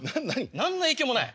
何の影響もない。